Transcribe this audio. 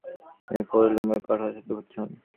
তিনি ফাজিলপুর গ্রামের পাঠশালাতে ভর্তি হন।